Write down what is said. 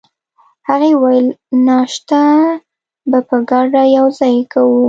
هغې وویل: ناشته به په ګډه یوځای کوو.